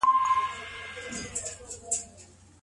د قرعه کشي ګټه چا ته رسيږي؟